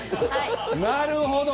なるほど！